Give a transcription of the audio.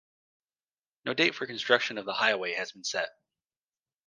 No date for construction of the highway has been set.